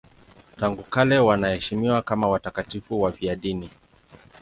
Tangu kale wanaheshimiwa kama watakatifu wafiadini.